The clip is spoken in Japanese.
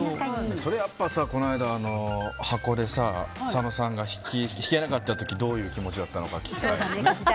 それはこの間箱で佐野さんが引けなかった時どういう気持ちだったのか聞きたい。